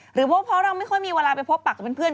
เพราะเราไม่ค่อยมีเวลาไปพบปากกับเพื่อน